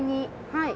はい。